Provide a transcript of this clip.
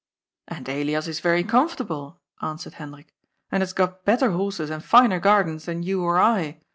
And Elias is very comfortable," answered Hendrik, ♦* and has got better horses and finer gardens than you or I.